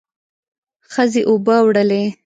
ښځې اوبه وړلې.